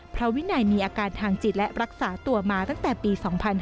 วินัยมีอาการทางจิตและรักษาตัวมาตั้งแต่ปี๒๕๕๙